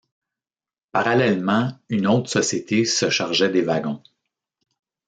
Parallèlement une autre société se chargeait des wagons.